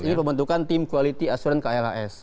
ini pembentukan tim quality assurance klhs